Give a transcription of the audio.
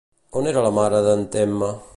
On era la mare d'en Temme?